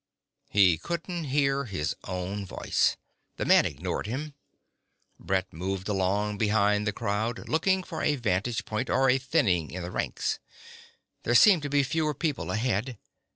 He couldn't hear his own voice. The man ignored him. Brett moved along behind the crowd, looking for a vantage point or a thinning in the ranks. There seemed to be fewer people ahead.